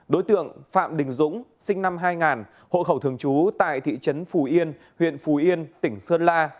đối tượng phạm đình dũng sinh năm hai nghìn hộ khẩu thường trú tại thị trấn phù yên huyện phù yên tỉnh sơn la